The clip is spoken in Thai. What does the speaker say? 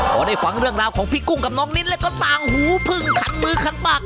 พอได้ฟังเรื่องราวของพี่กุ้งกับน้องนิดแล้วก็ต่างหูพึ่งขันมือขันปาก